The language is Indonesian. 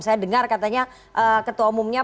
saya dengar katanya ketua umumnya